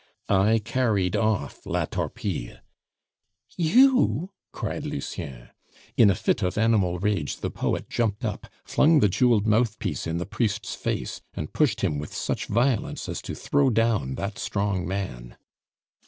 "I carried off La Torpille!" "You?" cried Lucien. In a fit of animal rage the poet jumped up, flung the jeweled mouthpiece in the priest's face, and pushed him with such violence as to throw down that strong man.